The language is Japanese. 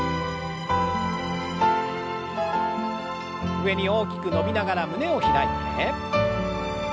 上に大きく伸びながら胸を開いて。